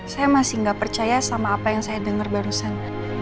saya masih gak percaya sama apa yang saya dengar barusan